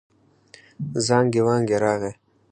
زانګې وانګې راغی.